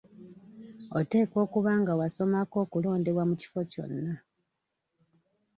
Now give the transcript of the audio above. Oteekwa okuba nga wasomako okulondebwa mu kifo kyonna.